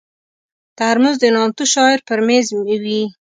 ترموز د نامتو شاعر پر مېز وي.